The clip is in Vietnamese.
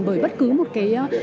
bởi bất cứ một cái